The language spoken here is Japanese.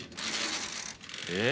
えっ？